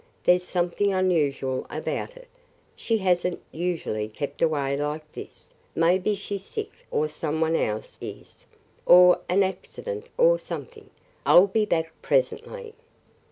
There 's something unusual about it. She has n't usually kept away like this. Maybe she 's sick or some one else is or an accident or something. I 'll be back presently."